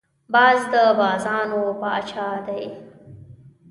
باز د بازانو پاچا دی